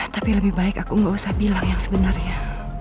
tapi lebih baik aku nggak usah bilang yang sebenarnya